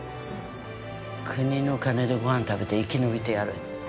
国の金でご飯食べて生き延びてやる。